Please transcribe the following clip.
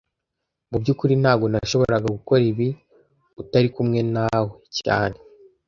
Mu byukuri ntago nashoboraga gukora ibi utari kumwe nawe cyane